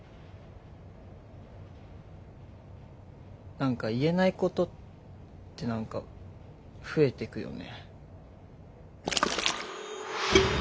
何か言えないことって何か増えてくよね。